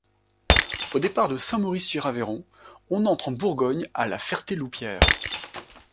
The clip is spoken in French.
Au départ de Saint-Maurice-sur-Aveyron, on entre en Bourgogne à la Ferté-Loupière.